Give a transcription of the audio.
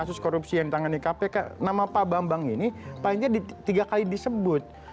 kasus korupsi yang ditangani kpk nama pak bambang ini paling jadi tiga kali disebut